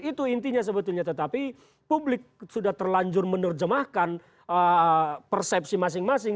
itu intinya sebetulnya tetapi publik sudah terlanjur menerjemahkan persepsi masing masing